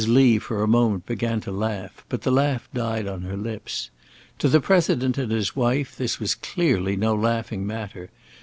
Lee for a moment began to laugh, but the laugh died on her lips. To the President and his wife this was clearly no laughing matter.